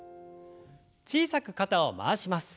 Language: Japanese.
小さく肩を回します。